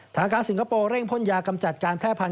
ทางการสิงคโปร์เร่งพ่นยากำจัดการแพร่พันธ